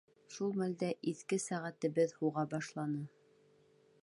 Шул мәлдә иҫке сәғәтебеҙ һуға башланы.